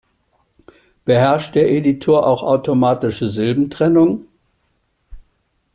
Beherrscht der Editor auch automatische Silbentrennung?